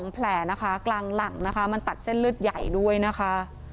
๒แผลกลางหลังมันตัดเส้นลึกใหญ่ด้วยนะคะ